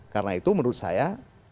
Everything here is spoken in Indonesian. karena itu menurut saya